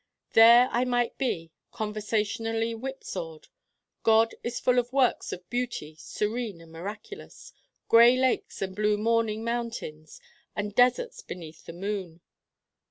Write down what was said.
There I might be: conversationally whip sawed. God is full of works of beauty, serene and miraculous: Gray Lakes and Blue Mourning Mountains and Deserts beneath the Moon.